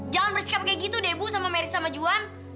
jangan bersikap kayak gitu deh ibu sama mercy sama juhan